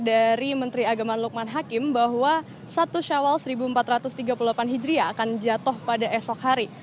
dari menteri agama lukman hakim bahwa satu syawal seribu empat ratus tiga puluh delapan hijriah akan jatuh pada esok hari